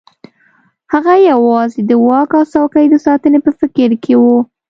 هغه یوازې د واک او څوکۍ د ساتنې په فکر کې وو.